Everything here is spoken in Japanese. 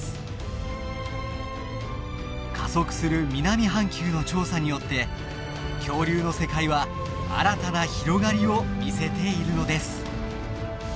加速する南半球の調査によって恐竜の世界は新たな広がりを見せているのです。